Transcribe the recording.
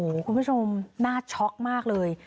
คุณผู้ชมน่าช็อกมากเลย